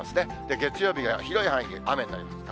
月曜日が広い範囲で雨になります。